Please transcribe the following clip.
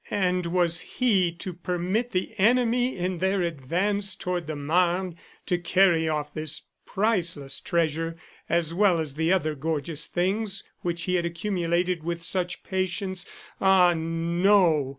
... And was he to permit the enemy in their advance toward the Marne to carry off this priceless treasure, as well as the other gorgeous things which he had accumulated with such patience Ah, no!